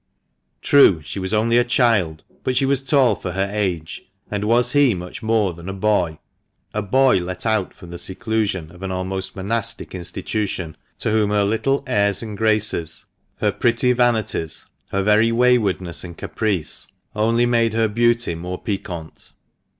True, she was only a child, but she was tall for her age, And was he much more than a boy ? A boy let out from the seclusion of an almost monastic institution, to whom her little 138 THE MANCHESTER MAN. airs and graces, her pretty vanities, her very waywardness and caprice, only made her beauty more piquant.